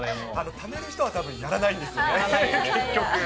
ためる人は多分、やらないですよね、結局。